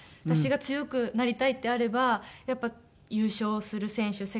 私が強くなりたいのであればやっぱり優勝する選手